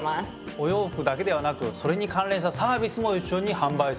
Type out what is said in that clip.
お洋服だけではなくそれに関連したサービスも一緒に販売すると。